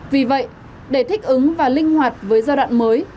vì vậy để thích ứng và linh hoạt với giai đoạn mới